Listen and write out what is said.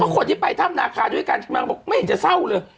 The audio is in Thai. พอคนที่ไปทำนาคารด้วยกันมันบอกไม่เห็นจะเศร้าเลย